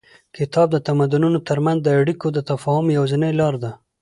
کتاب د تمدنونو تر منځ د اړیکو او تفاهم یوازینۍ لاره ده.